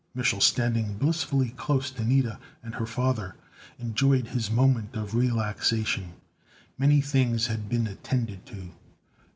Mich'l, standing blissfully close to Nida and her father, enjoyed his moment of relaxation. Many things had been attended to.